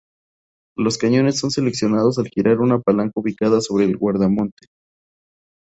Los cañones son seleccionados al girar una palanca ubicada sobre el guardamonte.